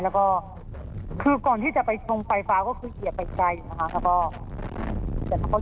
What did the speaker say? เราก็คือก่อนที่จะไปชงไฟฟ้าก็คือเหยียดไปใจแล้วก็เนื้อที่คนนาน